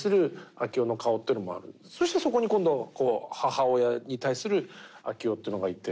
そしてそこに今度はこう母親に対する昭夫っていうのがいて。